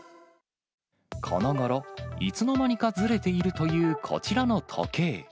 このごろ、いつの間にかずれているという、こちらの時計。